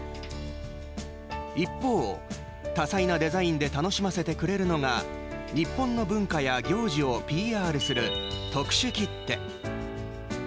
一方、多彩なデザインで楽しませてくれるのが日本の文化や行事をＰＲする特殊切手。